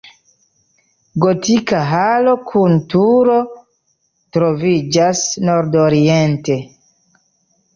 Gotika halo kun turo troviĝas nordoriente.